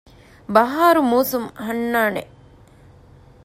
ބަހާރު މޫސުން އަންނާނެ